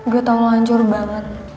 gue tahu lo hancur banget